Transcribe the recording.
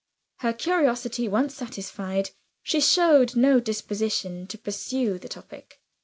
Her curiosity once satisfied, she showed no disposition to pursue the topic.